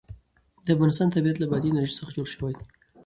د افغانستان طبیعت له بادي انرژي څخه جوړ شوی دی.